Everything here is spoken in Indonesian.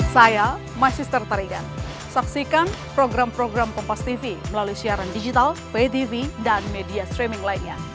saya my sister tarigan saksikan program program kompastv melalui siaran digital vtv dan media streaming lainnya